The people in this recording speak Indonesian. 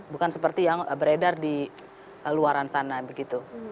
bukan seperti yang beredar di luaran sana begitu